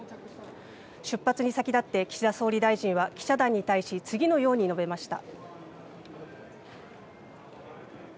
出発に先立って岸田総理大臣は記者団に対し次のように述べました。